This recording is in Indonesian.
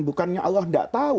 bukannya allah tidak tahu